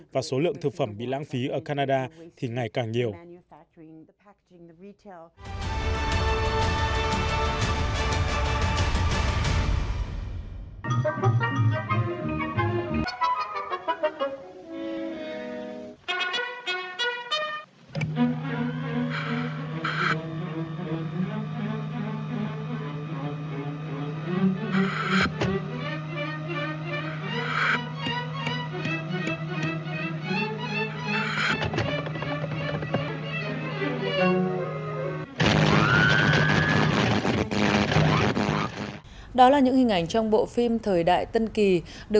và số lượng thực phẩm bị lãng phí ở canada thì ngày càng nhiều